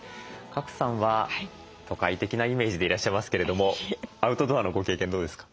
賀来さんは都会的なイメージでいらっしゃいますけれどもアウトドアのご経験どうですか？